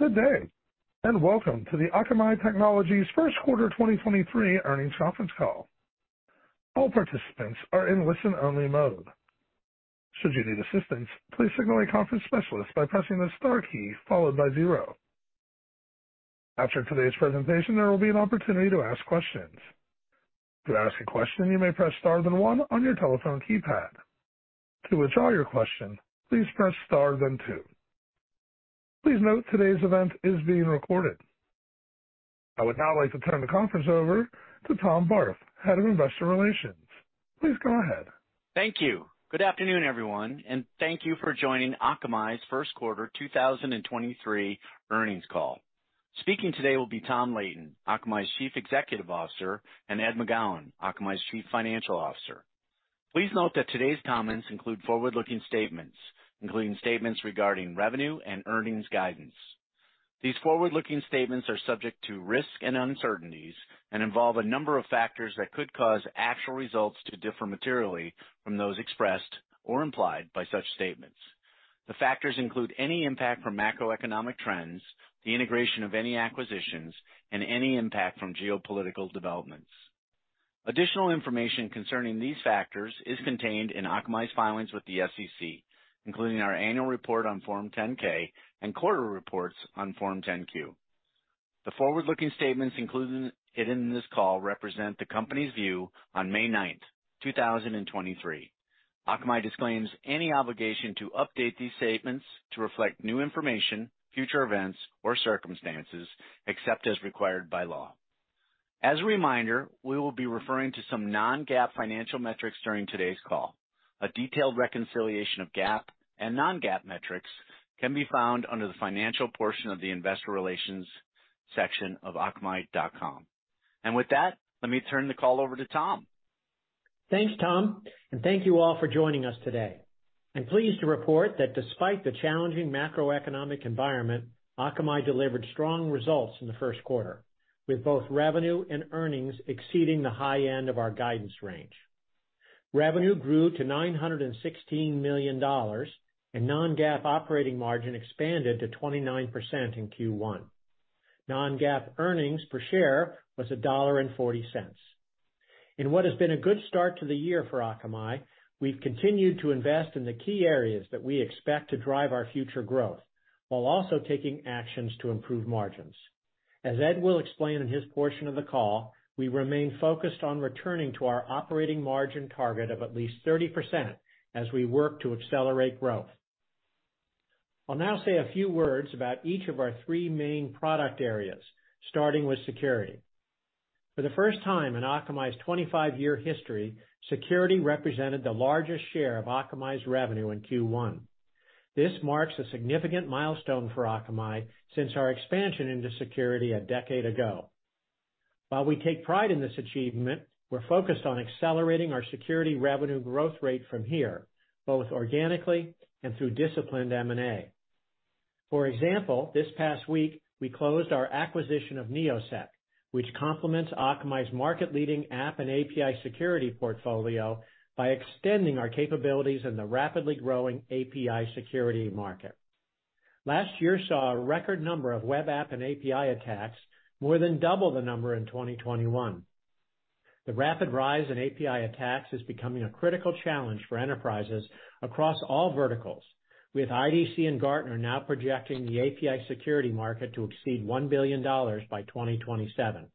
Good day, welcome to the Akamai Technologies first quarter 2023 earnings conference call. All participants are in listen-only mode. Should you need assistance, please signal a conference specialist by pressing the star key followed by zero. After today's presentation, there will be an opportunity to ask questions. To ask a question, you may press star then one on your telephone keypad. To withdraw your question, please press star then two. Please note today's event is being recorded. I would now like to turn the conference over to Tom Barth, head of investor relations. Please go ahead. Thank you. Good afternoon, everyone, and thank you for joining Akamai's first quarter 2023 earnings call. Speaking today will be Tom Leighton, Akamai's Chief Executive Officer, and Ed McGowan, Akamai's Chief Financial Officer. Please note that today's comments include forward-looking statements, including statements regarding revenue and earnings guidance. These forward-looking statements are subject to risks and uncertainties and involve a number of factors that could cause actual results to differ materially from those expressed or implied by such statements. The factors include any impact from macroeconomic trends, the integration of any acquisitions, and any impact from geopolitical developments. Additional information concerning these factors is contained in Akamai's filings with the SEC, including our annual report on Form 10-K and quarter reports on Form 10-Q. The forward-looking statements included in this call represent the company's view on May ninth, 2023. Akamai disclaims any obligation to update these statements to reflect new information, future events, or circumstances except as required by law. As a reminder, we will be referring to some non-GAAP financial metrics during today's call. A detailed reconciliation of GAAP and non-GAAP metrics can be found under the financial portion of the investor relations section of akamai.com. With that, let me turn the call over to Tom. Thanks, Tom, thank you all for joining us today. I'm pleased to report that despite the challenging macroeconomic environment, Akamai delivered strong results in the first quarter, with both revenue and earnings exceeding the high end of our guidance range. Revenue grew to $916 million, and non-GAAP operating margin expanded to 29% in Q1. Non-GAAP earnings per share was $1.40. In what has been a good start to the year for Akamai, we've continued to invest in the key areas that we expect to drive our future growth while also taking actions to improve margins. As Ed will explain in his portion of the call, we remain focused on returning to our operating margin target of at least 30% as we work to accelerate growth. I'll now say a few words about each of our three main product areas, starting with security. For the first time in Akamai's 25-year history, security represented the largest share of Akamai's revenue in Q1. This marks a significant milestone for Akamai since our expansion into security a decade ago. While we take pride in this achievement, we're focused on accelerating our security revenue growth rate from here, both organically and through disciplined M&A. For example, this past week, we closed our acquisition of Neosec, which complements Akamai's market-leading app and API security portfolio by extending our capabilities in the rapidly growing API security market. Last year saw a record number of web app and API attacks, more than double the number in 2021. The rapid rise in API attacks is becoming a critical challenge for enterprises across all verticals, with IDC and Gartner now projecting the API security market to exceed $1 billion by 2027.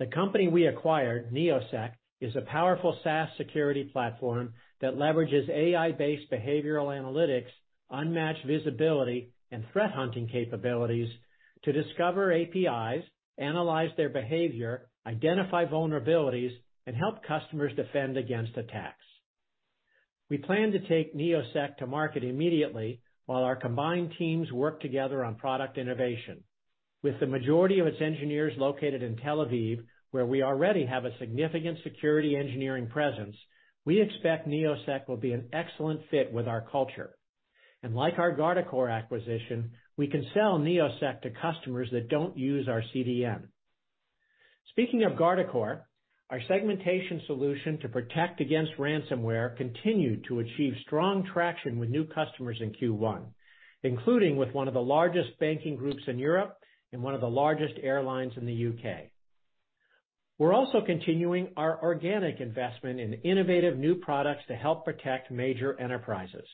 The company we acquired, Neosec, is a powerful SaaS security platform that leverages AI-based behavioral analytics, unmatched visibility, and threat hunting capabilities to discover APIs, analyze their behavior, identify vulnerabilities, and help customers defend against attacks. We plan to take Neosec to market immediately while our combined teams work together on product innovation. With the majority of its engineers located in Tel Aviv, where we already have a significant security engineering presence, we expect Neosec will be an excellent fit with our culture. Like our Guardicore acquisition, we can sell Neosec to customers that don't use our CDN. Speaking of Guardicore, our segmentation solution to protect against ransomware continued to achieve strong traction with new customers in Q one, including with one of the largest banking groups in Europe and one of the largest airlines in the U.K. We're also continuing our organic investment in innovative new products to help protect major enterprises.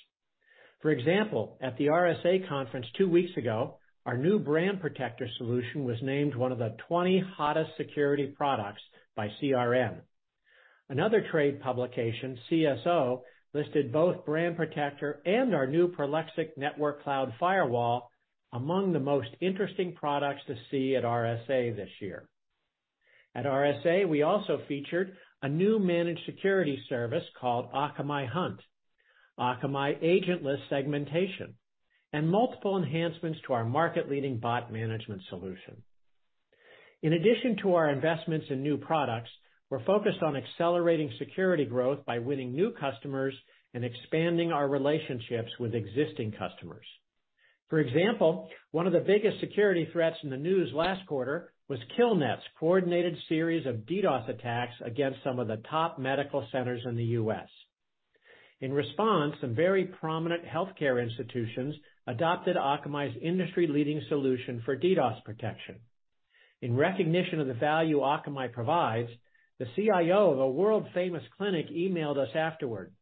For example, at the RSA Conference two weeks ago, our new Brand Protector solution was named one of the 20 hottest security products by CRN. Another trade publication, CSO, listed both Brand Protector and our new Prolexic Network Cloud Firewall among the most interesting products to see at RSA this year. At RSA, we also featured a new managed security service called Akamai Hunt, Akamai agentless segmentation, and multiple enhancements to our market-leading bot management solution. In addition to our investments in new products, we're focused on accelerating security growth by winning new customers and expanding our relationships with existing customers. For example, one of the biggest security threats in the news last quarter was KillNet's coordinated series of DDoS attacks against some of the top medical centers in the U.S. In response, some very prominent healthcare institutions adopted Akamai's industry-leading solution for DDoS protection. In recognition of the value Akamai provides, the CIO of a world-famous clinic emailed us afterward,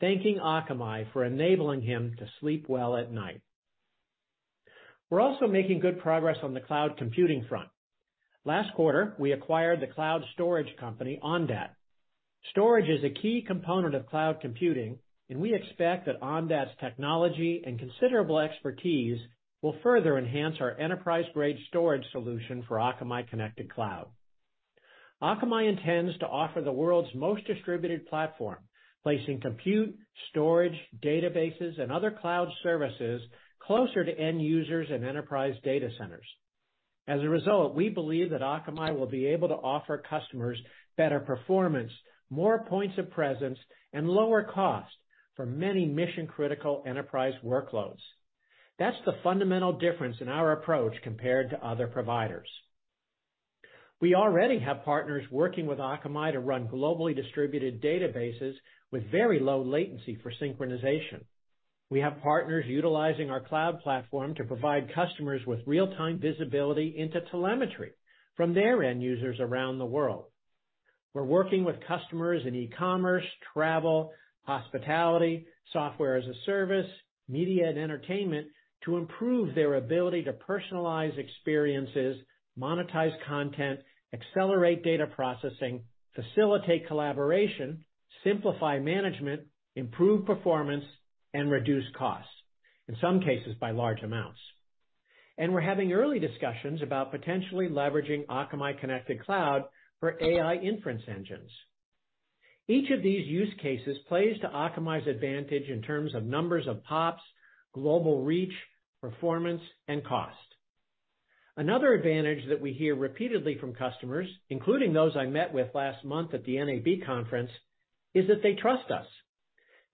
thanking Akamai for enabling him to sleep well at night. We're also making good progress on the cloud computing front. Last quarter, we acquired the cloud storage company, Ondat. Storage is a key component of cloud computing, and we expect that Ondat's technology and considerable expertise will further enhance our enterprise-grade storage solution for Akamai Connected Cloud. Akamai intends to offer the world's most distributed platform, placing compute, storage, databases, and other cloud services closer to end users and enterprise data centers. As a result, we believe that Akamai will be able to offer customers better performance, more points of presence, and lower cost for many mission-critical enterprise workloads. That's the fundamental difference in our approach compared to other providers. We already have partners working with Akamai to run globally distributed databases with very low latency for synchronization. We have partners utilizing our cloud platform to provide customers with real-time visibility into telemetry from their end users around the world. We're working with customers in e-commerce, travel, hospitality, software as a service, media and entertainment to improve their ability to personalize experiences, monetize content, accelerate data processing, facilitate collaboration, simplify management, improve performance, and reduce costs, in some cases by large amounts. We're having early discussions about potentially leveraging Akamai Connected Cloud for AI inference engines. Each of these use cases plays to Akamai's advantage in terms of numbers of POPs, global reach, performance, and cost. Another advantage that we hear repeatedly from customers, including those I met with last month at the NAB conference, is that they trust us.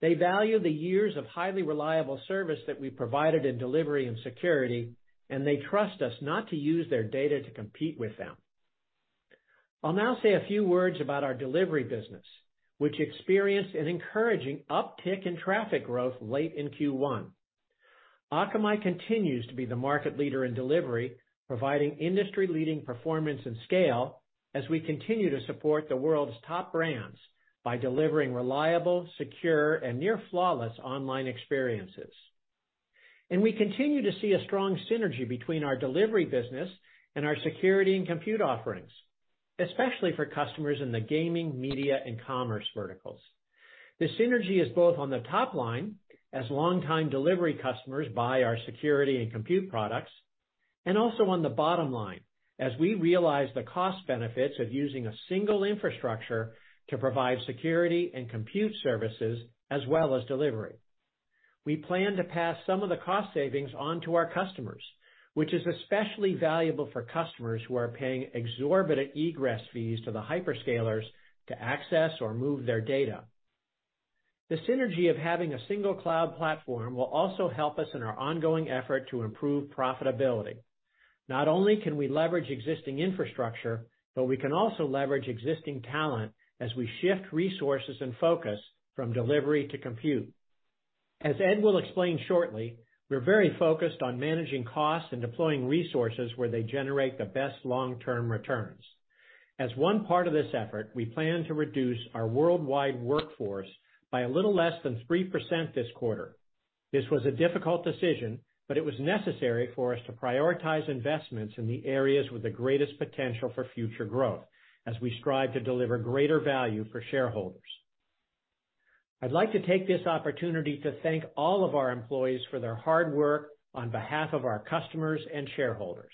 They value the years of highly reliable service that we provided in delivery and security, and they trust us not to use their data to compete with them. I'll now say a few words about our delivery business, which experienced an encouraging uptick in traffic growth late in Q1. Akamai continues to be the market leader in delivery, providing industry-leading performance and scale as we continue to support the world's top brands by delivering reliable, secure, and near flawless online experiences. We continue to see a strong synergy between our delivery business and our security and compute offerings, especially for customers in the gaming, media, and commerce verticals. The synergy is both on the top line as long-time delivery customers buy our security and compute products, and also on the bottom line, as we realize the cost benefits of using a single infrastructure to provide security and compute services as well as delivery. We plan to pass some of the cost savings on to our customers, which is especially valuable for customers who are paying exorbitant egress fees to the hyperscalers to access or move their data. The synergy of having a single cloud platform will also help us in our ongoing effort to improve profitability. Not only can we leverage existing infrastructure, but we can also leverage existing talent as we shift resources and focus from delivery to compute. As Ed will explain shortly, we're very focused on managing costs and deploying resources where they generate the best long-term returns. As one part of this effort, we plan to reduce our worldwide workforce by a little less than 3% this quarter. This was a difficult decision, but it was necessary for us to prioritize investments in the areas with the greatest potential for future growth as we strive to deliver greater value for shareholders. I'd like to take this opportunity to thank all of our employees for their hard work on behalf of our customers and shareholders.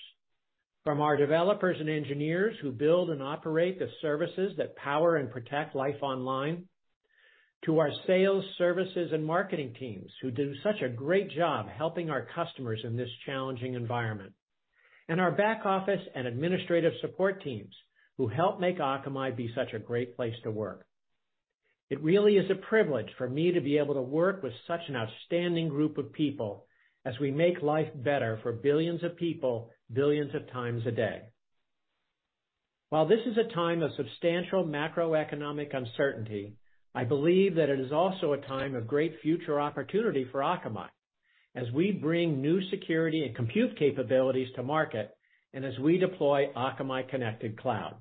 From our developers and engineers who build and operate the services that power and protect life online, to our sales, services, and marketing teams who do such a great job helping our customers in this challenging environment, and our back-office and administrative support teams who help make Akamai be such a great place to work. It really is a privilege for me to be able to work with such an outstanding group of people as we make life better for billions of people, billions of times a day. While this is a time of substantial macroeconomic uncertainty, I believe that it is also a time of great future opportunity for Akamai as we bring new security and compute capabilities to market, and as we deploy Akamai Connected Cloud.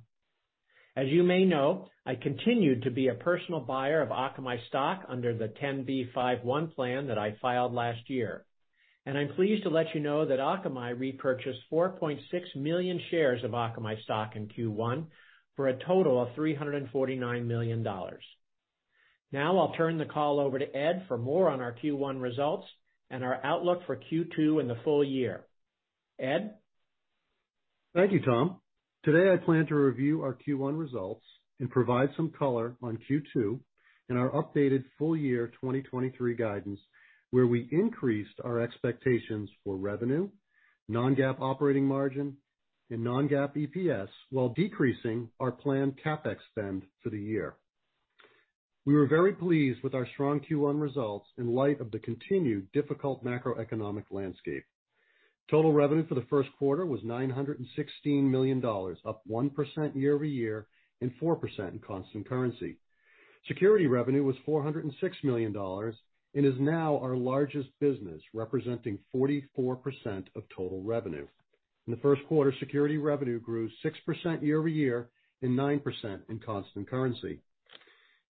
As you may know, I continue to be a personal buyer of Akamai stock under the 10b5-1 plan that I filed last year, and I'm pleased to let you know that Akamai repurchased 4.6 million shares of Akamai stock in Q1 for a total of $349 million. I'll turn the call over to Ed for more on our Q1 results and our outlook for Q2 and the full year. Ed? Thank you, Tom. Today, I plan to review our Q1 results and provide some color on Q2 and our updated full year 2023 guidance, where we increased our expectations for revenue, non-GAAP operating margin, and non-GAAP EPS while decreasing our planned CapEx spend for the year. We were very pleased with our strong Q1 results in light of the continued difficult macroeconomic landscape. Total revenue for the first quarter was $916 million, up 1% year-over-year and 4% in constant currency. Security revenue was $406 million and is now our largest business, representing 44% of total revenue. In the first quarter, security revenue grew 6% year-over-year and 9% in constant currency.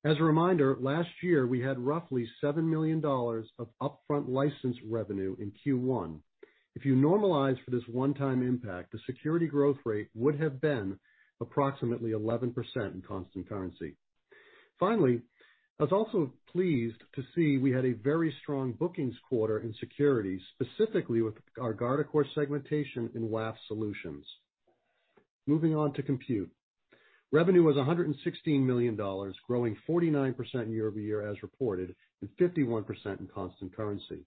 As a reminder, last year, we had roughly $7 million of upfront license revenue in Q1. If you normalize for this one-time impact, the security growth rate would have been approximately 11% in constant currency. Finally, I was also pleased to see we had a very strong bookings quarter in security, specifically with our Guardicore segmentation and WAF solutions. Moving on to compute. Revenue was $116 million, growing 49% year-over-year as reported, and 51% in constant currency.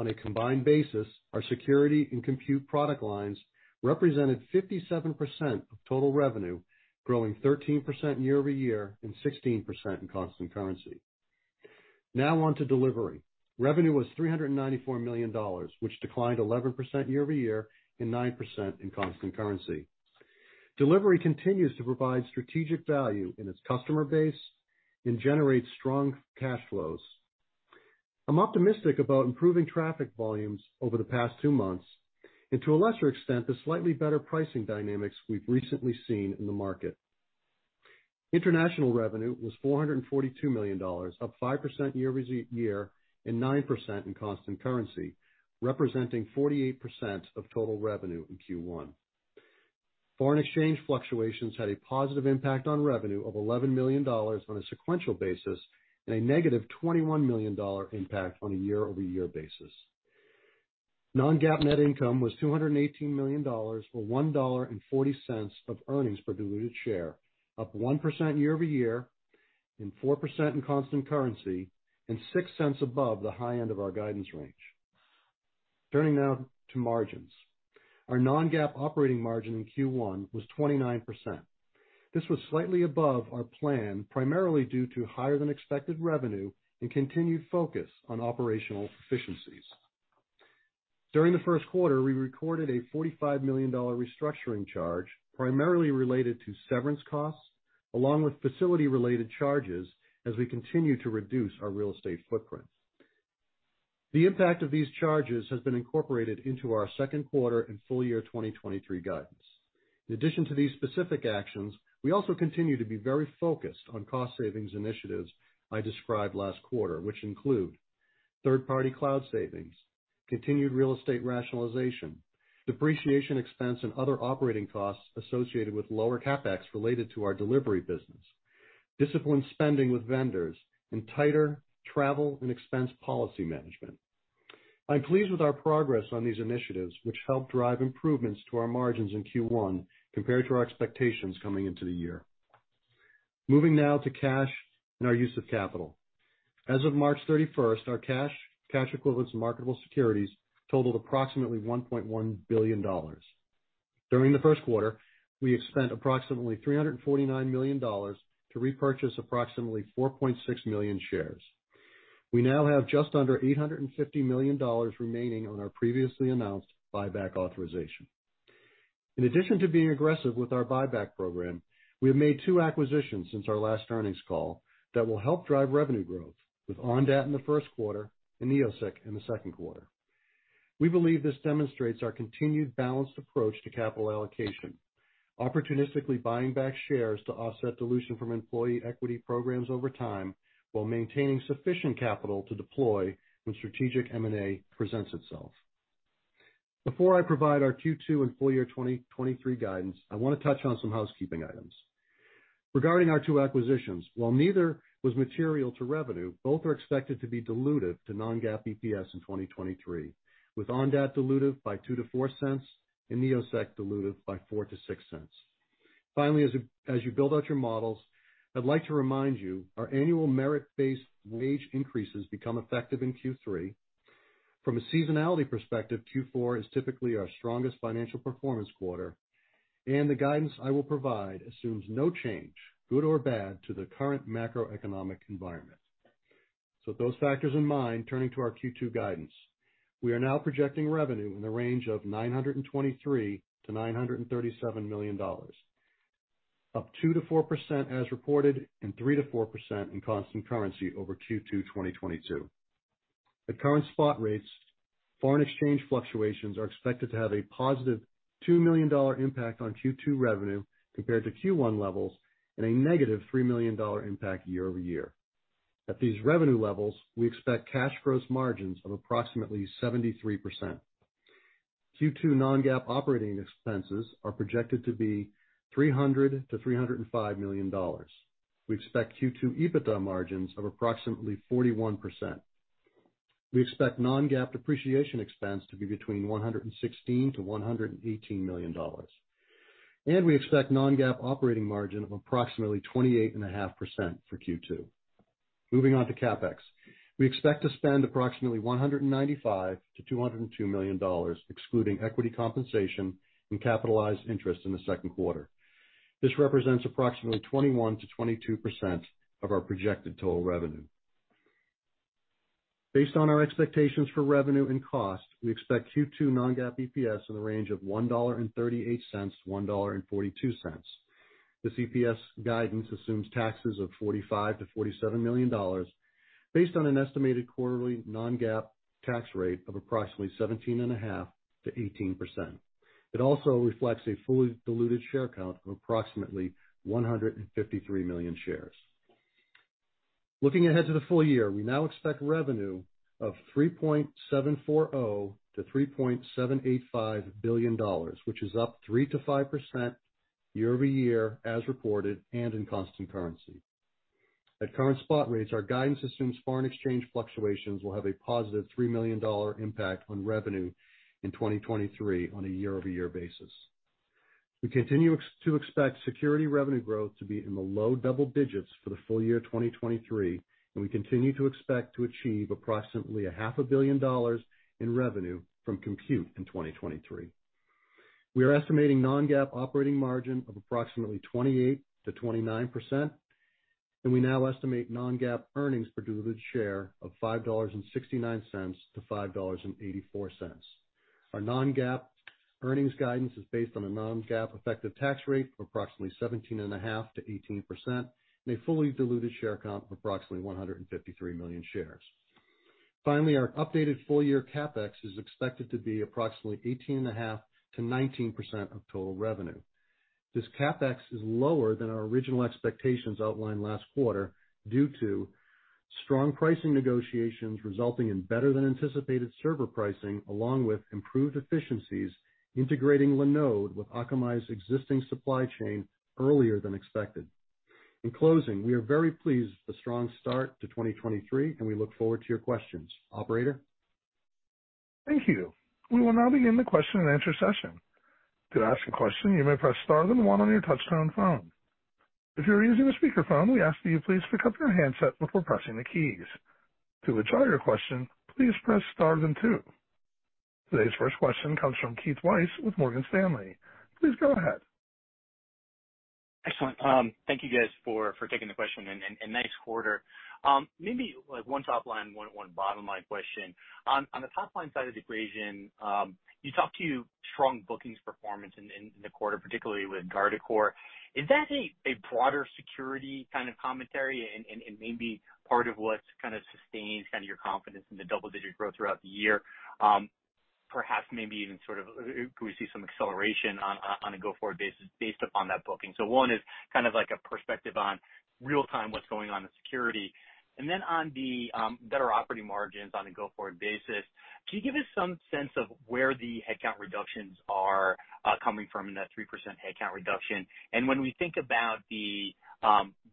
On a combined basis, our security and compute product lines represented 57% of total revenue, growing 13% year-over-year and 16% in constant currency. Now on to delivery. Revenue was $394 million, which declined 11% year-over-year and 9% in constant currency. Delivery continues to provide strategic value in its customer base and generates strong cash flows. I'm optimistic about improving traffic volumes over the past 2 months and, to a lesser extent, the slightly better pricing dynamics we've recently seen in the market. International revenue was $442 million, up 5% year-over-year and 9% in constant currency, representing 48% of total revenue in Q1. Foreign exchange fluctuations had a positive impact on revenue of $11 million on a sequential basis, and a negative $21 million impact on a year-over-year basis. non-GAAP net income was $218 million, or $1.40 of earnings per diluted share, up 1% year-over-year and 4% in constant currency, and $0.06 above the high end of our guidance range. Turning now to margins. Our non-GAAP operating margin in Q1 was 29%. This was slightly above our plan, primarily due to higher than expected revenue and continued focus on operational efficiencies. During the first quarter, we recorded a $45 million restructuring charge, primarily related to severance costs along with facility-related charges as we continue to reduce our real estate footprint. The impact of these charges has been incorporated into our second quarter and full year 2023 guidance. In addition to these specific actions, we also continue to be very focused on cost savings initiatives I described last quarter, which include third-party cloud savings, continued real estate rationalization, depreciation expense, and other operating costs associated with lower CapEx related to our delivery business, disciplined spending with vendors, and tighter travel and expense policy management. I'm pleased with our progress on these initiatives, which helped drive improvements to our margins in Q1 compared to our expectations coming into the year. Moving now to cash and our use of capital. As of March 31st, our cash equivalents, and marketable securities totaled approximately $1.1 billion. During the first quarter, we have spent approximately $349 million to repurchase approximately 4.6 million shares. We now have just under $850 million remaining on our previously announced buyback authorization. In addition to being aggressive with our buyback program, we have made two acquisitions since our last earnings call that will help drive revenue growth with Ondat in the first quarter and Neosec in the second quarter. We believe this demonstrates our continued balanced approach to capital allocation, opportunistically buying back shares to offset dilution from employee equity programs over time while maintaining sufficient capital to deploy when strategic M&A presents itself. Before I provide our Q2 and full year 2023 guidance, I wanna touch on some housekeeping items. Regarding our two acquisitions, while neither was material to revenue, both are expected to be dilutive to non-GAAP EPS in 2023, with Ondat dilutive by $0.02-$0.04 and Neosec dilutive by $0.04-$0.06. As you build out your models, I'd like to remind you our annual merit-based wage increases become effective in Q3. From a seasonality perspective, Q4 is typically our strongest financial performance quarter, the guidance I will provide assumes no change, good or bad, to the current macroeconomic environment. With those factors in mind, turning to our Q2 guidance. We are now projecting revenue in the range of $923 million-$937 million, up 2%-4% as reported and 3%-4% in constant currency over Q2 2022. At current spot rates, foreign exchange fluctuations are expected to have a positive $2 million impact on Q2 revenue compared to Q1 levels and a negative $3 million impact year-over-year. At these revenue levels, we expect cash gross margins of approximately 73%. Q2 non-GAAP operating expenses are projected to be $300 million-$305 million. We expect Q2 EBITDA margins of approximately 41%. We expect non-GAAP depreciation expense to be between $116 million-$118 million. We expect non-GAAP operating margin of approximately 28.5% for Q2. Moving on to CapEx. We expect to spend approximately $195 million-$202 million, excluding equity compensation and capitalized interest in the second quarter. This represents approximately 21%-22% of our projected total revenue. Based on our expectations for revenue and cost, we expect Q2 non-GAAP EPS in the range of $1.38-$1.42. The EPS guidance assumes taxes of $45 million-$47 million based on an estimated quarterly non-GAAP tax rate of approximately 17.5%-18%. It also reflects a fully diluted share count of approximately 153 million shares. Looking ahead to the full year, we now expect revenue of $3.74 billion-$3.785 billion, which is up 3%-5% year-over-year as reported and in constant currency. At current spot rates, our guidance assumes foreign exchange fluctuations will have a positive $3 million impact on revenue in 2023 on a year-over-year basis. We continue to expect security revenue growth to be in the low double digits for the full year of 2023, and we continue to expect to achieve approximately a half a billion dollars in revenue from compute in 2023. We are estimating non-GAAP operating margin of approximately 28%-29%, and we now estimate non-GAAP earnings per diluted share of $5.69-$5.84. Our non-GAAP earnings guidance is based on a non-GAAP effective tax rate of approximately 17.5%-18%, and a fully diluted share count of approximately 153 million shares. Finally, our updated full year CapEx is expected to be approximately 18.5%-19% of total revenue. This CapEx is lower than our original expectations outlined last quarter due to strong pricing negotiations resulting in better than anticipated server pricing, along with improved efficiencies, integrating Linode with Akamai's existing supply chain earlier than expected. In closing, we are very pleased with the strong start to 2023. We look forward to your questions. Operator? Thank you. We will now begin the question and answer session. To ask a question, you may press star then 1 on your touchtone phone. If you are using a speakerphone, we ask that you please pick up your handset before pressing the keys. To withdraw your question, please press star then 2. Today's first question comes from Keith Weiss with Morgan Stanley. Please go ahead. Excellent. Thank you guys for taking the question and nice quarter. Maybe like one top line one bottom line question. On the top line side of the equation, you talked to strong bookings performance in the quarter, particularly with Guardicore. Is that a broader security kind of commentary and maybe part of what kind of sustains kind of your confidence in the double-digit growth throughout the year? Perhaps, maybe even sort of, could we see some acceleration on a go-forward basis based upon that booking? One is kind of like a perspective on real time what's going on with security. On the better operating margins on a go-forward basis, can you give us some sense of where the headcount reductions are coming from in that 3% headcount reduction? When we think about the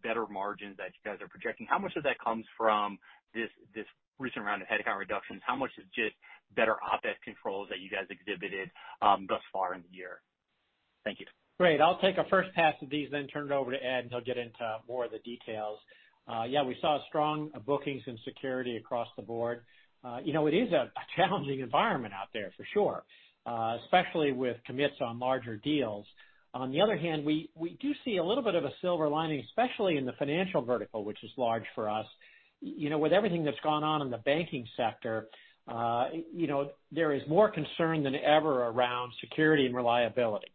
better margins that you guys are projecting, how much of that comes from this recent round of headcount reductions? How much is just better OpEx controls that you guys exhibited thus far in the year? Thank you. Great. I'll take a first pass at these, then turn it over to Ed, and he'll get into more of the details. Yeah, we saw strong bookings and security across the board. You know, it is a challenging environment out there for sure, especially with commits on larger deals. On the other hand, we do see a little bit of a silver lining, especially in the financial vertical, which is large for us. You know, with everything that's gone on in the banking sector, you know, there is more concern than ever around security and reliability.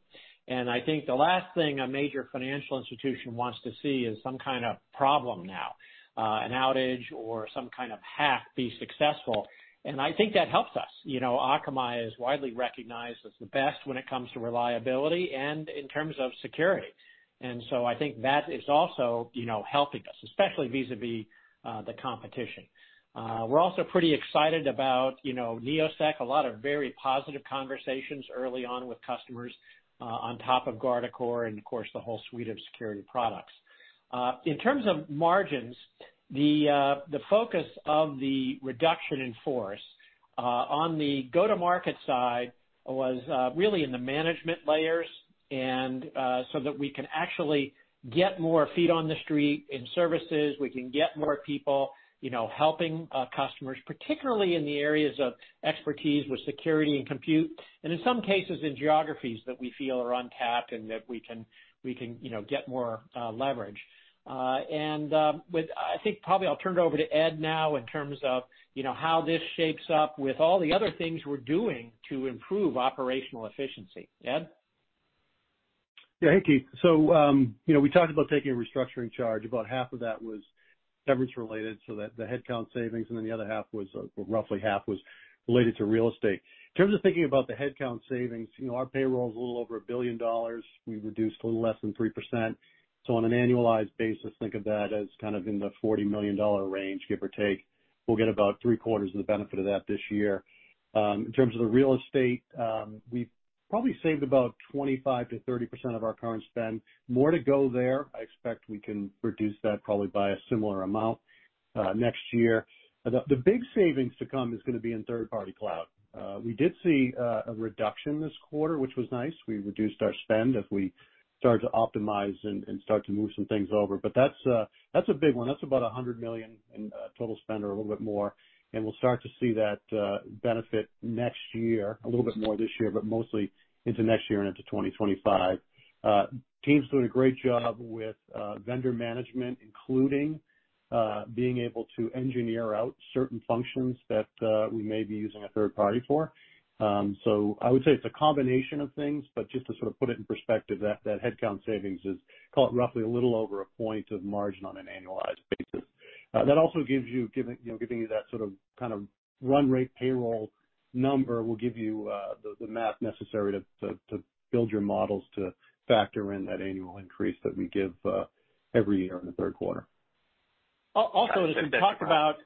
I think the last thing a major financial institution wants to see is some kind of problem now, an outage or some kind of hack be successful. I think that helps us. You know, Akamai is widely recognized as the best when it comes to reliability and in terms of security. I think that is also, you know, helping us, especially vis-a-vis the competition. We're also pretty excited about, you know, Neosec, a lot of very positive conversations early on with customers on top of Guardicore and of course, the whole suite of security products. In terms of margins, the focus of the reduction in force on the go-to-market side was really in the management layers, and, so that we can actually get more feet on the street in services. We can get more people, you know, helping customers, particularly in the areas of expertise with security and compute, and in some cases, in geographies that we feel are untapped and that we can, you know, get more leverage. I think probably I'll turn it over to Ed now in terms of, you know, how this shapes up with all the other things we're doing to improve operational efficiency. Ed? Yeah. Hey, Keith. You know, we talked about taking a restructuring charge. About half of that was severance related, so that the headcount savings, and then the other half was, or roughly half was related to real estate. In terms of thinking about the headcount savings, you know, our payroll is a little over $1 billion. We reduced a little less than 3%. On an annualized basis, think of that as kind of in the $40 million range, give or take. We'll get about three-quarters of the benefit of that this year. In terms of the real estate, we've probably saved about 25%-30% of our current spend. More to go there. I expect we can reduce that probably by a similar amount, next year. The big savings to come is gonna be in third-party cloud. We did see a reduction this quarter, which was nice. We reduced our spend as we start to optimize and start to move some things over, but that's a big one. That's about $100 million in total spend or a little bit more. We'll start to see that benefit next year, a little bit more this year, but mostly into next year and into 2025. Team's doing a great job with vendor management, including being able to engineer out certain functions that we may be using a third party for. I would say it's a combination of things, but just to sort of put it in perspective, that headcount savings is call it roughly a little over 1 point of margin on an annualized basis. That also giving, you know, giving you that run rate payroll number will give you the math necessary to build your models to factor in that annual increase that we give every year in the third quarter. Also, as we talked about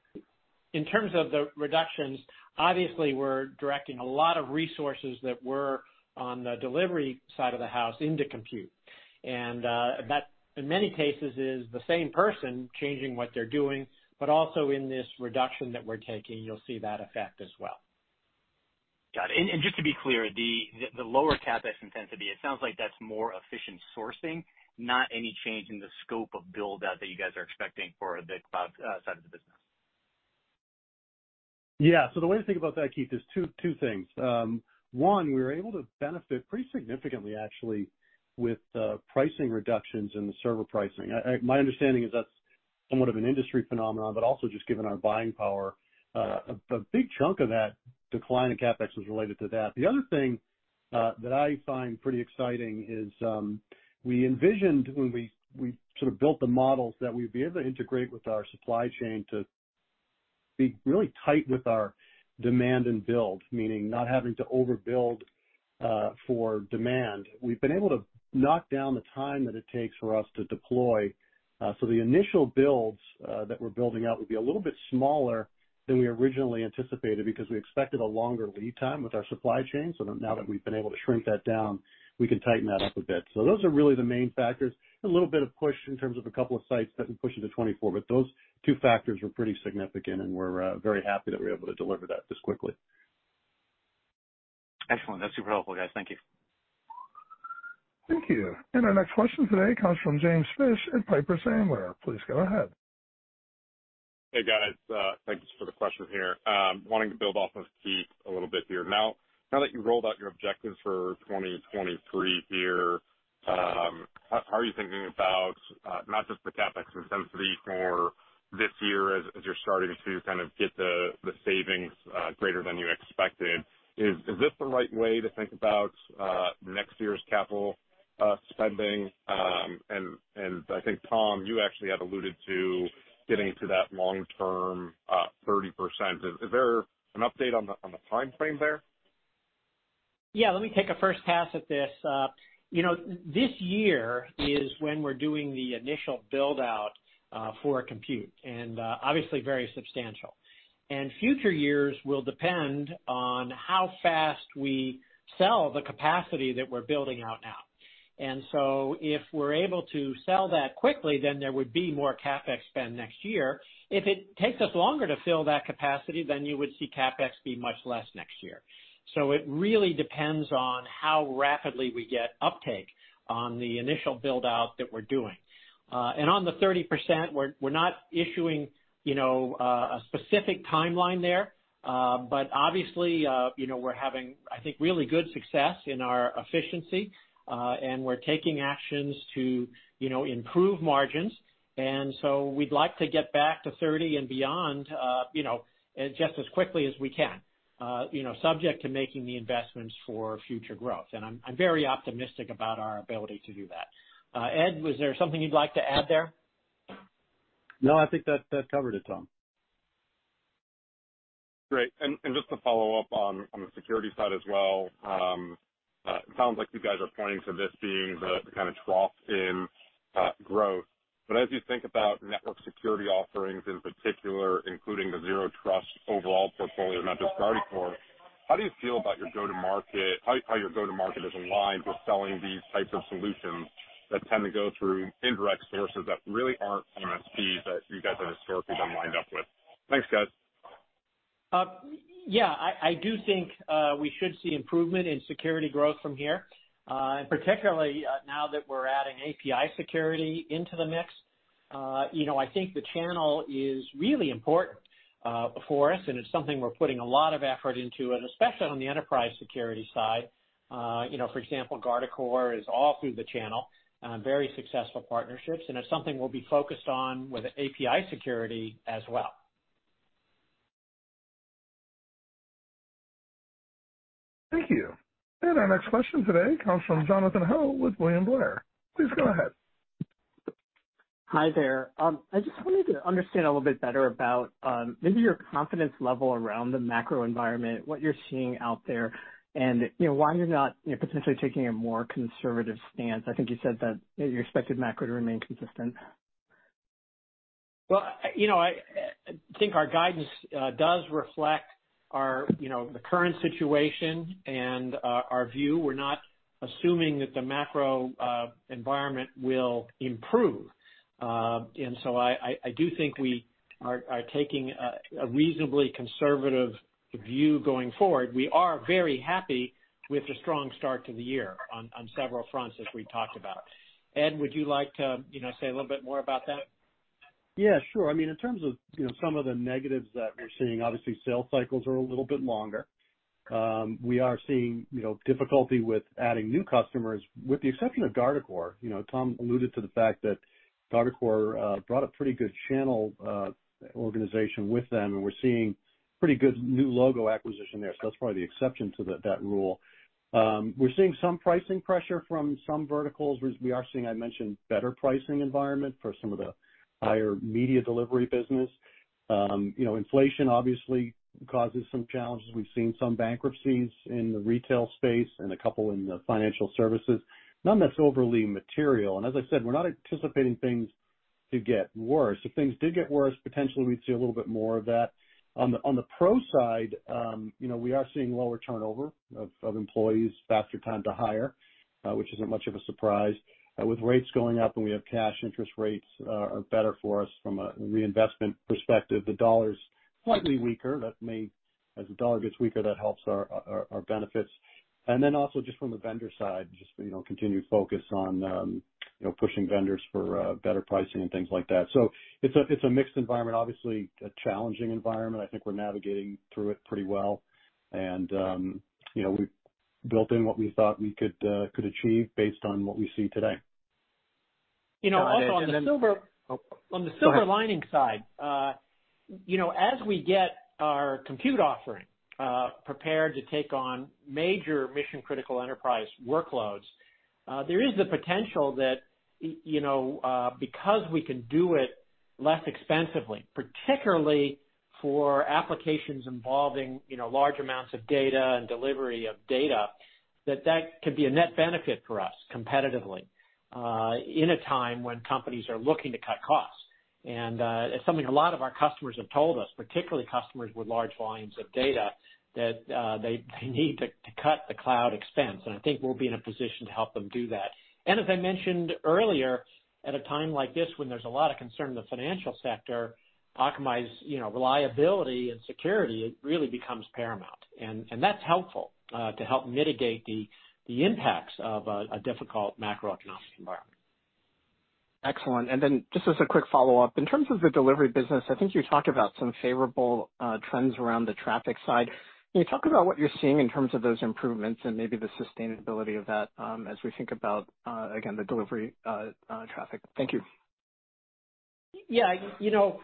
in terms of the reductions, obviously we're directing a lot of resources that were on the delivery side of the house into compute. That, in many cases is the same person changing what they're doing, but also in this reduction that we're taking, you'll see that effect as well. Got it. Just to be clear, the lower CapEx intensity, it sounds like that's more efficient sourcing, not any change in the scope of build out that you guys are expecting for the cloud side of the business. Yeah. The way to think about that, Keith, is two things. One, we were able to benefit pretty significantly actually with pricing reductions in the server pricing. My understanding is that's somewhat of an industry phenomenon, but also just given our buying power. A big chunk of that decline in CapEx was related to that. The other thing that I find pretty exciting is we envisioned when we sort of built the models that we'd be able to integrate with our supply chain to be really tight with our demand and build, meaning not having to overbuild for demand. We've been able to knock down the time that it takes for us to deploy. The initial builds that we're building out will be a little bit smaller than we originally anticipated because we expected a longer lead time with our supply chain. Now that we've been able to shrink that down, we can tighten that up a bit. Those are really the main factors, and a little bit of push in terms of a couple of sites that can push into 2024. Those two factors were pretty significant, and we're very happy that we're able to deliver that this quickly. Excellent. That's super helpful, guys. Thank you. Thank you. Our next question today comes from James Fish at Piper Sandler. Please go ahead. Hey, guys. Thanks for the question here. Wanting to build off of Keith a little bit here. Now that you've rolled out your objectives for 2023 here, how are you thinking about not just the CapEx intensity for this year as you're starting to kind of get the savings greater than you expected. Is this the right way to think about next year's capital spending? I think, Tom, you actually had alluded to getting to that long-term 30%. Is there an update on the timeframe there? Yeah. Let me take a first pass at this. You know, this year is when we're doing the initial build out for compute, and obviously very substantial. Future years will depend on how fast we sell the capacity that we're building out now. If we're able to sell that quickly, there would be more CapEx spend next year. If it takes us longer to fill that capacity, you would see CapEx be much less next year. It really depends on how rapidly we get uptake on the initial build out that we're doing. On the 30%, we're not issuing, you know, a specific timeline there. Obviously, you know, we're having, I think, really good success in our efficiency, and we're taking actions to, you know, improve margins. We'd like to get back to 30 and beyond, you know, just as quickly as we can, you know, subject to making the investments for future growth. I'm very optimistic about our ability to do that. Ed, was there something you'd like to add there? No, I think that covered it, Tom. Great. Just to follow up on the security side as well. Sounds like you guys are pointing to this being the kind of trough in growth. As you think about network security offerings in particular, including the Zero Trust overall portfolio, not just Guardicore, how do you feel about your go-to market, how your go-to market is aligned with selling these types of solutions that tend to go through indirect sources that really aren't MSPs that you guys have historically been lined up with? Thanks, guys. Yeah. I do think we should see improvement in security growth from here, particularly now that we're adding API security into the mix. You know, I think the channel is really important for us, it's something we're putting a lot of effort into, especially on the enterprise security side. You know, for example, Guardicore is all through the channel, very successful partnerships, it's something we'll be focused on with API security as well. Thank you. Our next question today comes from Jonathan Ho with William Blair. Please go ahead. Hi there. I just wanted to understand a little bit better about, maybe your confidence level around the macro environment, what you're seeing out there, and, you know, why you're not, you know, potentially taking a more conservative stance? I think you said that you expected macro to remain consistent. Well, you know, I think our guidance does reflect our, you know, the current situation and our view. We're not assuming that the macro environment will improve. I do think we are taking a reasonably conservative view going forward. We are very happy with the strong start to the year on several fronts, as we talked about. Ed, would you like to, you know, say a little bit more about that? Yeah, sure. I mean, in terms of, you know, some of the negatives that we're seeing, obviously, sales cycles are a little bit longer. We are seeing, you know, difficulty with adding new customers, with the exception of Guardicore. You know, Tom alluded to the fact that Guardicore brought a pretty good channel organization with them, and we're seeing pretty good new logo acquisition there. That's probably the exception to that rule. We're seeing some pricing pressure from some verticals. We are seeing, I mentioned, better pricing environment for some of the higher media delivery business. You know, inflation obviously causes some challenges. We've seen some bankruptcies in the retail space and a couple in the financial services. None that's overly material. As I said, we're not anticipating things to get worse. If things did get worse, potentially we'd see a little bit more of that. On the, on the pro side, you know, we are seeing lower turnover of employees, faster time to hire, which isn't much of a surprise. With rates going up and we have cash interest rates, are better for us from a reinvestment perspective. The dollar's slightly weaker. As the dollar gets weaker, that helps our benefits. Also just from the vendor side, just, you know, continued focus on, you know, pushing vendors for better pricing and things like that. It's a mixed environment, obviously a challenging environment. I think we're navigating through it pretty well. You know, we've built in what we thought we could achieve based on what we see today. You know, also on the. Oh. On the silver lining side, you know, as we get our compute offering prepared to take on major mission-critical enterprise workloads, there is the potential that, you know, because we can do it less expensively, particularly for applications involving, you know, large amounts of data and delivery of data, that that could be a net benefit for us competitively, in a time when companies are looking to cut costs. It's something a lot of our customers have told us, particularly customers with large volumes of data, that they need to cut the cloud expense. I think we'll be in a position to help them do that. As I mentioned earlier, at a time like this when there's a lot of concern in the financial sector, Akamai's, you know, reliability and security, it really becomes paramount. That's helpful to help mitigate the impacts of a difficult macroeconomic environment. Excellent. Just as a quick follow-up, in terms of the delivery business, I think you talked about some favorable trends around the traffic side. Can you talk about what you're seeing in terms of those improvements and maybe the sustainability of that as we think about again, the delivery traffic? Thank you. Yeah. You know,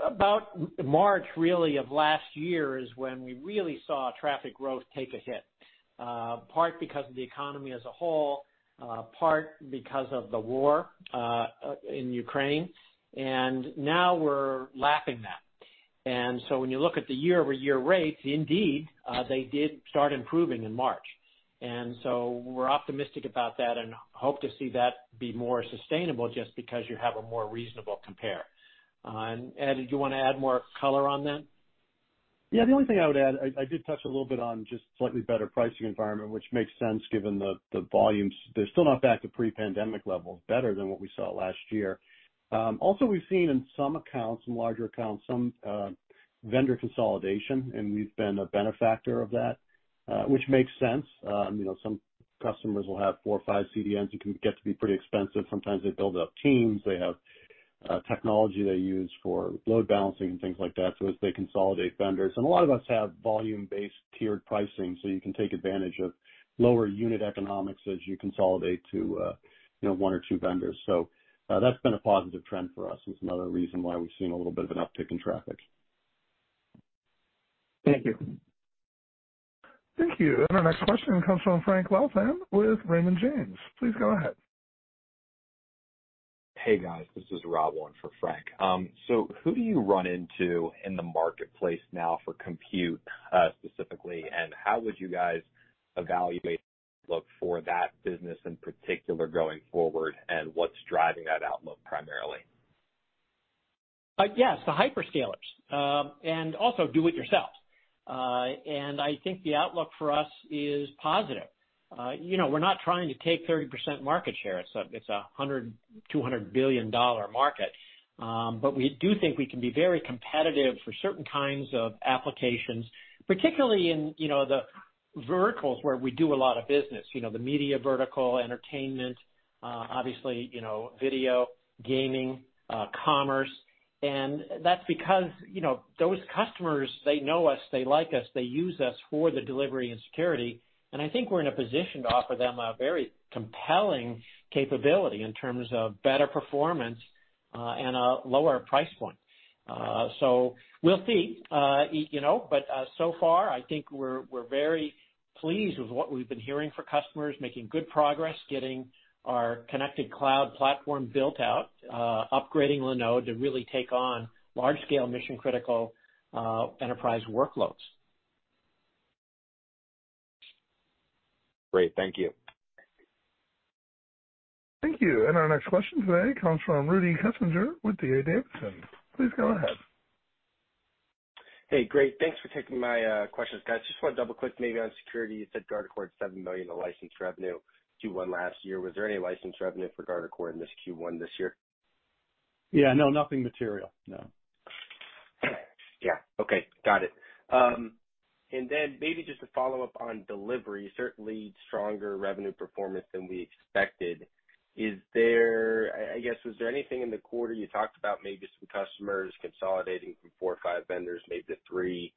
about March really of last year is when we really saw traffic growth take a hit, part because of the economy as a whole, part because of the war in Ukraine, now we're lapping that. When you look at the year-over-year rates, indeed, they did start improving in March. We're optimistic about that and hope to see that be more sustainable just because you have a more reasonable compare. Ed, did you wanna add more color on that? The only thing I would add, I did touch a little bit on just slightly better pricing environment, which makes sense given the volumes. They're still not back to pre-pandemic levels, better than what we saw last year. Also we've seen in some accounts, some larger accounts, some, vendor consolidation, and we've been a benefactor of that, which makes sense. You know, some customers will have 4 or 5 CDNs. It can get to be pretty expensive. Sometimes they build up teams. They have, technology they use for load balancing and things like that. So as they consolidate vendors. A lot of us have volume-based tiered pricing, so you can take advantage of lower unit economics as you consolidate to, you know, 1 or 2 vendors. That's been a positive trend for us. It's another reason why we've seen a little bit of an uptick in traffic. Thank you. Thank you. Our next question comes from Frank Louthan with Raymond James. Please go ahead. Hey, guys. This is Rob, one for Frank. Who do you run into in the marketplace now for compute, specifically, and how would you guys evaluate look for that business in particular going forward, and what's driving that outlook primarily? Yes, the hyperscalers, and also do it yourselves. I think the outlook for us is positive. You know, we're not trying to take 30% market share. It's a $100 billion-$200 billion market. We do think we can be very competitive for certain kinds of applications, particularly in, you know, the verticals where we do a lot of business. You know, the media vertical, entertainment, obviously, you know, video, gaming, commerce. That's because, you know, those customers, they know us, they like us, they use us for the delivery and security. I think we're in a position to offer them a very compelling capability in terms of better performance, and a lower price point. We'll see, you know, but, so far I think we're very pleased with what we've been hearing for customers, making good progress, getting our Connected Cloud platform built out, upgrading Linode to really take on large scale mission-critical, enterprise workloads. Great. Thank you. Thank you. Our next question today comes from Rudy Kessinger with D.A. Davidson. Please go ahead. Hey. Great. Thanks for taking my questions, guys. Just wanna double-click maybe on security. You said Guardicore had $7 million in license revenue Q1 last year. Was there any license revenue for Guardicore in this Q1 this year? Yeah. No, nothing material. No. Yeah. Okay. Got it. Maybe just to follow up on delivery, certainly stronger revenue performance than we expected. I guess, was there anything in the quarter you talked about maybe some customers consolidating from four or five vendors maybe to 3?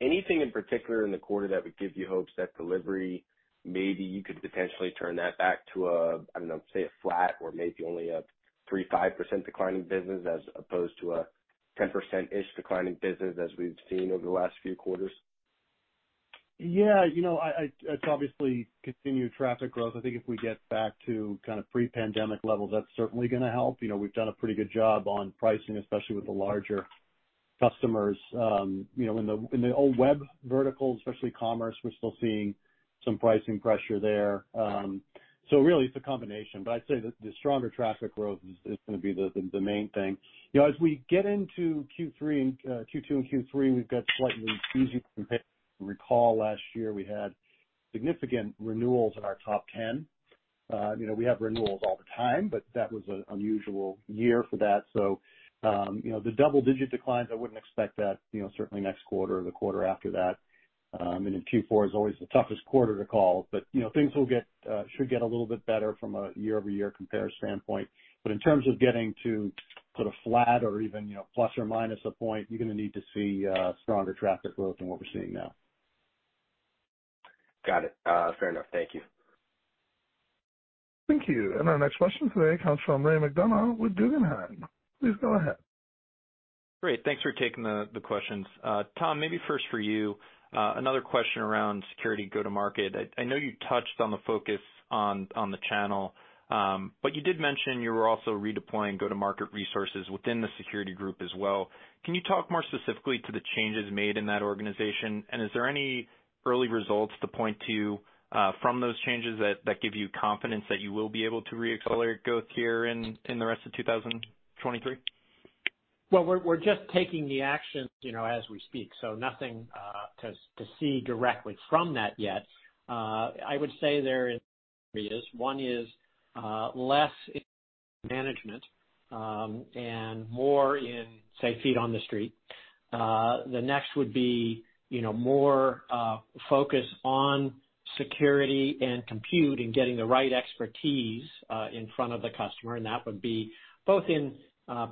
Anything in particular in the quarter that would give you hopes that delivery, maybe you could potentially turn that back to a, I don't know, say a flat or maybe only a 3%-5% declining business as opposed to a 10%-ish declining business as we've seen over the last few quarters? You know, it's obviously continued traffic growth. I think if we get back to kind of pre-pandemic levels, that's certainly gonna help. You know, we've done a pretty good job on pricing, especially with the larger customers. You know, in the old web vertical, especially commerce, we're still seeing some pricing pressure there. Really it's a combination, but I'd say that the stronger traffic growth is gonna be the main thing. You know, as we get into Q3 and Q2 and Q3, we've got slightly easier comparisons. If you recall last year we had significant renewals in our top 10. You know, we have renewals all the time, but that was an unusual year for that. You know, the double-digit declines, I wouldn't expect that, you know, certainly next quarter or the quarter after that. Q4 is always the toughest quarter to call. You know, things should get a little bit better from a year-over-year compare standpoint. In terms of getting to sort of flat or even, you know, plus or minus 1 point, you're gonna need to see stronger traffic growth than what we're seeing now. Got it. Fair enough. Thank you. Thank you. Our next question today comes from Ray McDonough with Guggenheim. Please go ahead. Great. Thanks for taking the questions. Tom, maybe first for you, another question around security go-to-market. I know you touched on the focus on the channel, but you did mention you were also redeploying go-to-market resources within the security group as well. Can you talk more specifically to the changes made in that organization? Is there any early results to point to from those changes that give you confidence that you will be able to re-accelerate growth here in the rest of 2023? Well, we're just taking the actions, you know, as we speak. Nothing to see directly from that yet. I would say there is three areas. One is less management, and more in, say, feet on the street. The next would be, you know, more focus on security and compute and getting the right expertise in front of the customer, and that would be both in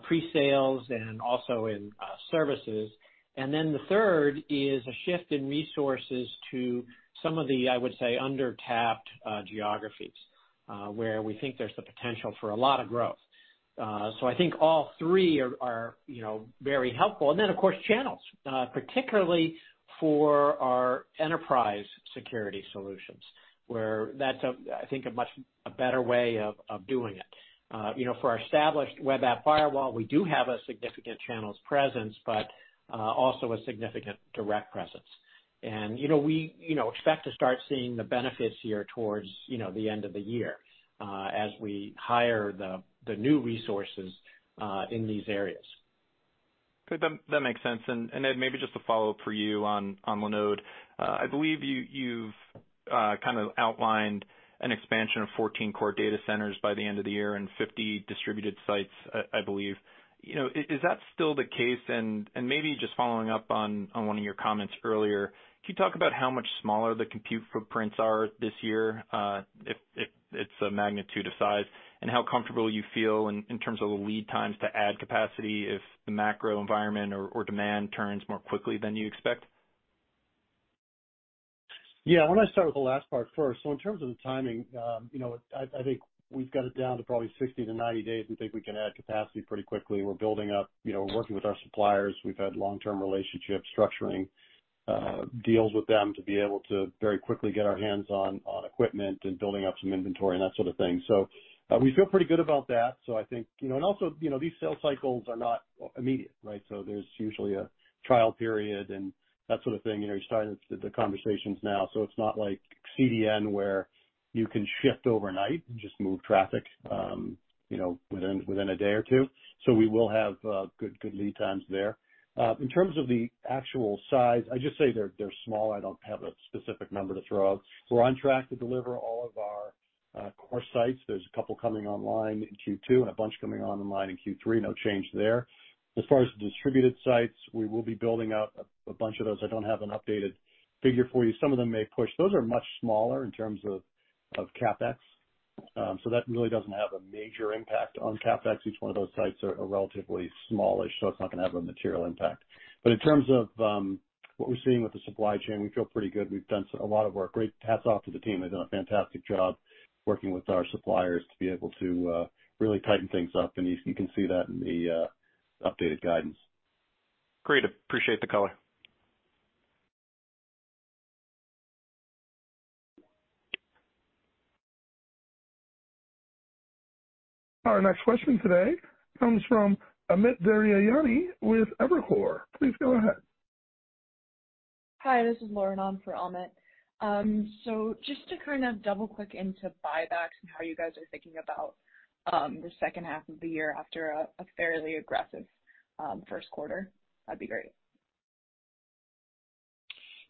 pre-sales and also in services. The third is a shift in resources to some of the, I would say, under-tapped geographies, where we think there's the potential for a lot of growth. I think all three are, you know, very helpful. Then, of course, channels, particularly for our enterprise security solutions, where that's a, I think, a much better way of doing it. You know, for our established web app firewall, we do have a significant channels presence, but also a significant direct presence. You know, we, you know, expect to start seeing the benefits here towards, you know, the end of the year, as we hire the new resources in these areas. Good. That, that makes sense. Then maybe just a follow-up for you on Linode. I believe you've kind of outlined an expansion of 14 core data centers by the end of the year and 50 distributed sites, I believe. You know, is that still the case? Then maybe just following up on one of your comments earlier, could you talk about how much smaller the compute footprints are this year, if it's a magnitude of size, and how comfortable you feel in terms of the lead times to add capacity if the macro environment or demand turns more quickly than you expect? Why don't I start with the last part first. In terms of the timing, you know, I think we've got it down to probably 60 to 90 days. We think we can add capacity pretty quickly. We're building up, you know, working with our suppliers. We've had long-term relationships structuring deals with them to be able to very quickly get our hands on equipment and building up some inventory and that sort of thing. We feel pretty good about that. I think, you know, and also, you know, these sales cycles are not immediate, right? There's usually a trial period and that sort of thing. You know, you're starting the conversations now, so it's not like CDN, where you can shift overnight and just move traffic, you know, within a day or 2. We will have good lead times there. In terms of the actual size, I just say they're small. I don't have a specific number to throw out. We're on track to deliver all of our core sites. There's a couple coming online in Q2 and a bunch coming online in Q3. No change there. As far as the distributed sites, we will be building out a bunch of those. I don't have an updated figure for you. Some of them may push. Those are much smaller in terms of CapEx. That really doesn't have a major impact on CapEx. Each one of those sites are relatively smallish, so it's not gonna have a material impact. In terms of what we're seeing with the supply chain, we feel pretty good. We've done a lot of work. Great hats off to the team. They've done a fantastic job working with our suppliers to be able to really tighten things up. You can see that in the updated guidance. Great. Appreciate the color. Our next question today comes from Amit Daryanani with Evercore. Please go ahead. Hi, this is Lauren on for Amit. Just to kind of double-click into buybacks and how you guys are thinking about the second half of the year after a fairly aggressive first quarter, that'd be great.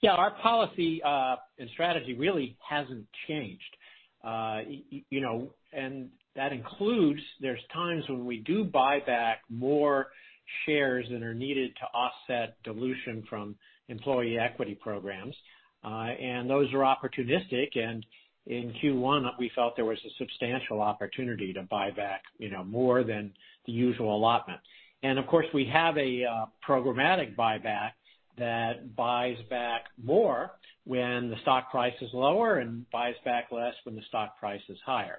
Our policy and strategy really hasn't changed. You know, and that includes there's times when we do buy back more shares than are needed to offset dilution from employee equity programs. And those are opportunistic. In Q1 we felt there was a substantial opportunity to buy back, you know, more than the usual allotment. Of course, we have a programmatic buyback that buys back more when the stock price is lower and buys back less when the stock price is higher.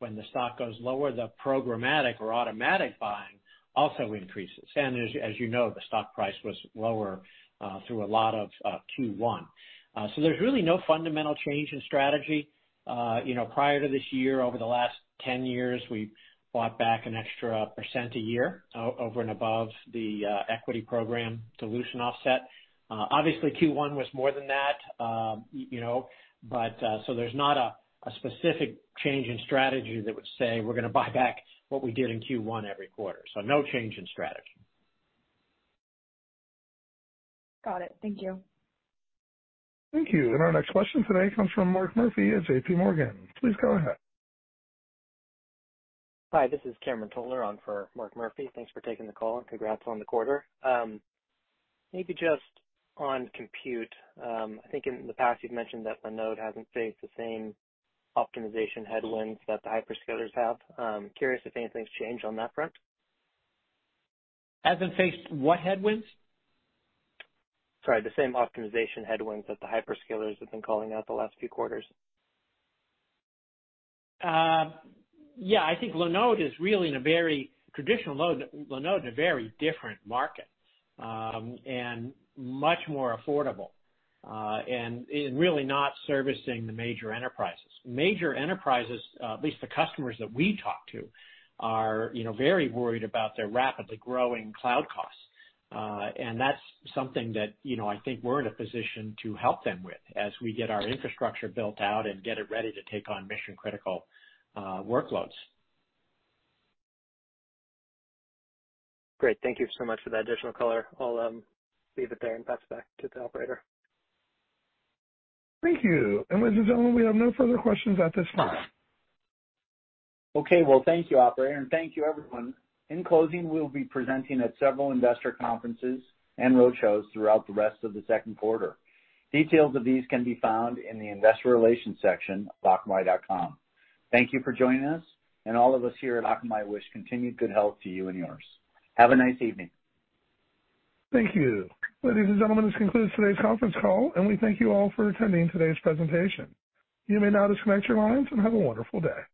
When the stock goes lower, the programmatic or automatic buying also increases. As you know, the stock price was lower through a lot of Q1. There's really no fundamental change in strategy. You know, prior to this year, over the last 10 years, we've bought back an extra % a year over and above the equity program dilution offset. Obviously Q1 was more than that. You know, but there's not a specific change in strategy that would say we're gonna buy back what we did in Q1 every quarter. No change in strategy. Got it. Thank you. Thank you. Our next question today comes from Mark Murphy at J.P. Morgan. Please go ahead. Hi, this is Cameron Toler on for Mark Murphy. Thanks for taking the call and congrats on the quarter. Maybe just on compute. I think in the past you've mentioned that Linode hasn't faced the same optimization headwinds that the hyperscalers have. Curious if anything's changed on that front? Hasn't faced what headwinds? Sorry, the same optimization headwinds that the hyperscalers have been calling out the last few quarters. Yeah, I think Linode is really in a very traditional load. Linode is a very different market, and much more affordable, and really not servicing the major enterprises. Major enterprises, at least the customers that we talk to are, you know, very worried about their rapidly growing cloud costs. That's something that, you know, I think we're in a position to help them with as we get our infrastructure built out and get it ready to take on mission-critical workloads. Great. Thank you so much for that additional color. I'll leave it there and pass it back to the operator. Thank you. Ladies and gentlemen, we have no further questions at this time. Okay. Well, thank you, operator, and thank you, everyone. In closing, we'll be presenting at several investor conferences and roadshows throughout the rest of the second quarter. Details of these can be found in the investor relations section of akamai.com. Thank you for joining us and all of us here at Akamai wish continued good health to you and yours. Have a nice evening. Thank you. Ladies and gentlemen, this concludes today's conference call and we thank you all for attending today's presentation. You may now disconnect your lines and have a wonderful day.